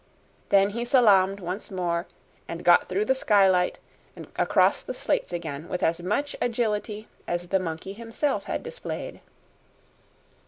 Then he salaamed once more and got through the skylight and across the slates again with as much agility as the monkey himself had displayed.